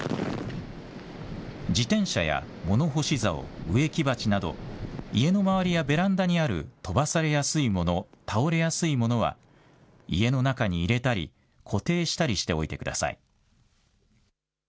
自転車や物干しざお、植木鉢など、家の周りやベランダにある飛ばされやすい物、倒れやすい物は、家の中に入れたり、固定したりしておいてください。